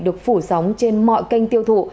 được phủ sóng trên mọi kênh tiêu thú